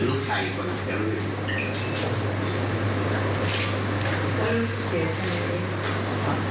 โดยส่วนคุณแม่อยากจะไป